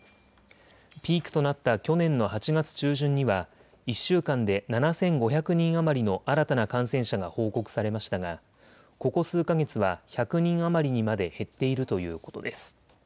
ピークとなった去年の８月中旬には１週間で７５００人余りの新たな感染者が報告されましたがここ数か月は１００人余りにまで減っているということです。